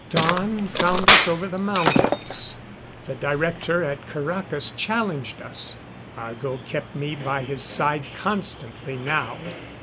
Dawn found us over the mountains. The Director at Caracas challenged us. Argo kept me by his side constantly now.